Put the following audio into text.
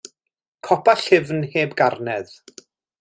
Copa llyfn heb garnedd.